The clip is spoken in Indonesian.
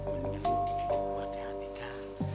mendinganin buatnya antika